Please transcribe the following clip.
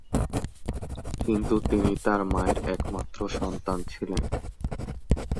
কিন্তু তিনি তার মায়ের একমাত্র সন্তান ছিলেন।